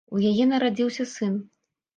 У яе нарадзіўся сын.